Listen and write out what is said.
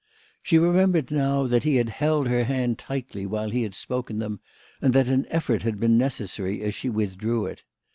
She remembered now that he had held her hand tightly while he had spoken them, and that an effort had been necessary as she withdrew it.